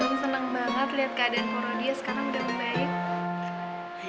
nung seneng banget liat keadaan frodiya sekarang udah mudahin